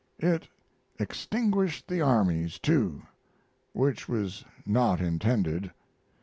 It extinguished the armies, too, which was not intended.